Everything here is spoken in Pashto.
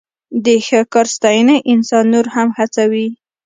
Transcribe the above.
د ښه کار ستاینه انسان نور هم هڅوي.